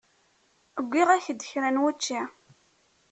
Uwiɣ-ak-d kra n wučči.